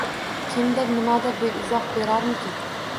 Kimdir nimadir deb izoh berarmikin?